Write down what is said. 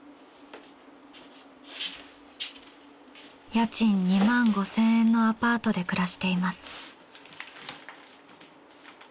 家賃２万５０００円のアパートで暮らしています。